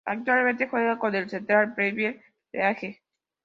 Actualmente juega en la Central Premier League.